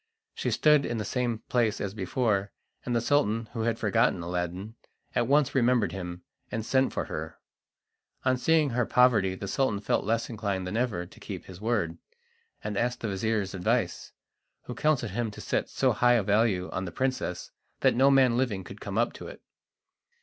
She stood in the same place as before, and the Sultan, who had forgotten Aladdin, at once remembered him, and sent for her. On seeing her poverty the Sultan felt less inclined than ever to keep his word, and asked the vizir's advice, who counselled him to set so high a value on the princess that no man living could come up to it.